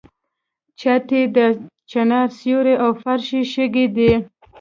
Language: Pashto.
چت یې د چنار سیوری او فرش یې شګې دي.